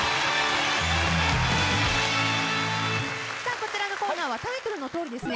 さあこちらのコーナーはタイトルのとおりですね